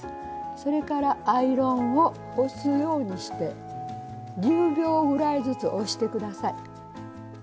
それからアイロンを押すようにして１０秒ぐらいずつ押して下さい。